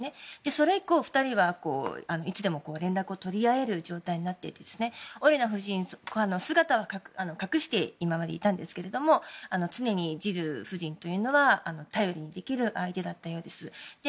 それ以降、２人はいつでも連絡を取り合える状態になってオレナ夫人、今まで姿は隠していたんですけれども常にジル夫人というのは頼りにできる相手だったようです。